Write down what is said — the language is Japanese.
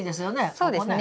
そうですね。